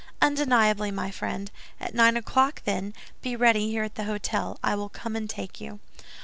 "Undeniably, my friend. At nine o'clock, then, be ready here at the hôtel, I will come and take you."